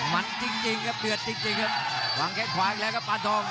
มันจริงจริงครับเดือดจริงจริงครับวางแข้งขวาอีกแล้วครับปานทอง